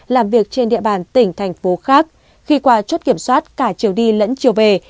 làm việc trên địa bàn tỉnh thành phố khác khi qua chốt kiểm soát cả chiều đi lẫn chiều về